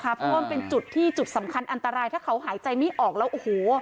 เพราะว่ามันเป็นจุดที่จุดสำคัญอันตรายถ้าเขาหายใจไม่ออกแล้วโอ้โห